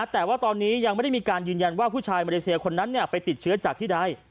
แต่ว่าตอนนี้ยังไม่ได้มีการยืนยันว่าผู้ชายมาเลเซียคนนั้นไปติดเชื้อจากที่ใด